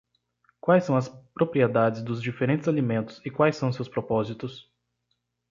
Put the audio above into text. Quais são as propriedades dos diferentes alimentos e quais são seus propósitos?